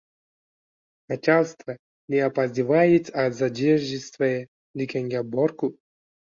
«Nachalstvo ne opazdivaet, a zaderjivaetsya», degan gap bor-ku?